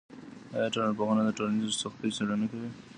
آیا ټولنپوهنه د ټولنیزو سختیو څیړنه کوي؟